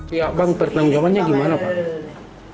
pihak bank pertanggung jawabannya gimana pak